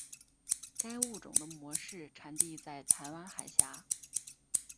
该物种的模式产地在台湾海峡。